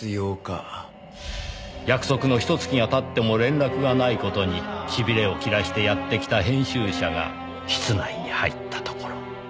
約束のひと月が経っても連絡がない事に痺れを切らしてやって来た編集者が室内に入ったところ。